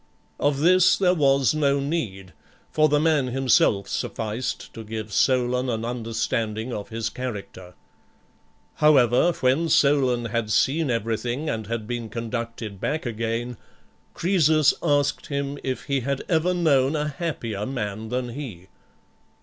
Of this there was no need, for the man himself sufficed to give Solon an understanding of his character. However, when Solon had seen every thing and had been conducted back again, Croesus asked him if he had ever known a happier man than he.